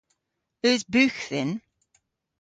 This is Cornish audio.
Eus bugh dhyn?